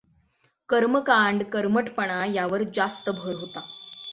कर्मकांड, कर्मठपणा यावर जास्त भर होता.